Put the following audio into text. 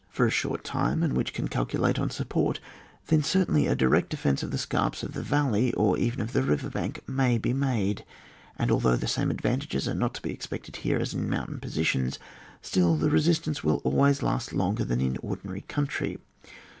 141 for a short tune, and wMch can calculate on support, then certainly a direct defence of the scarps of the vaUej, or even of the river bank, may be made ; and although the same advantages are not to be ex pected here as in mountain positions, still the resistance will always last longer than in an ordinary country.